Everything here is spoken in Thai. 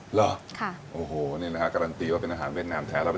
เหรอค่ะโอ้โหนี่นะฮะการันตีว่าเป็นอาหารเวียดนามแท้แล้ว